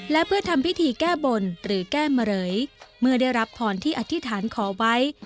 และเพื่อทำพิธีแก้บนหรือแก้มเหลยเมื่อได้รับพรที่อธิษฐานขอไว้